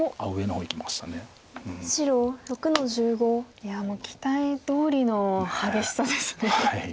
いやもう期待どおりの激しさですね。